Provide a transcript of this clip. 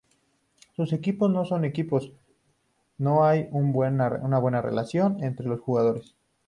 Los equipos no son equipos, no hay una buena relación entre los jugadores.